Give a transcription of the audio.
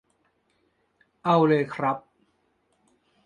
เอาเลยครับ